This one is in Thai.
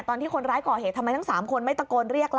ตอนที่คนร้ายก่อเหตุทำไมทั้ง๓คนไม่ตะโกนเรียกล่ะ